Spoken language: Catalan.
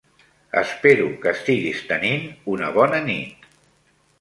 Espero que estiguis tenint una bona nit.